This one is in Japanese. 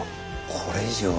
これ以上は。